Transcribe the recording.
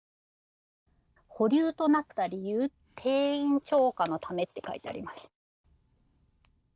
保留となった理由、定員超過のためって書いてあります。